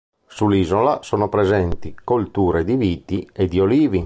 Sull'isola sono presenti colture di viti e di olivi.